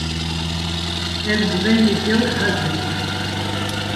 Ez ji rengê gewr hez dikim.